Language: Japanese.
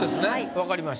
分かりました。